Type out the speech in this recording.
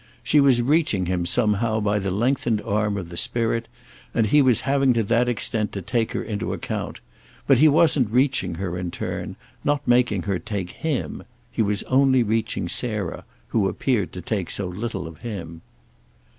She was reaching him somehow by the lengthened arm of the spirit, and he was having to that extent to take her into account; but he wasn't reaching her in turn, not making her take him; he was only reaching Sarah, who appeared to take so little of him.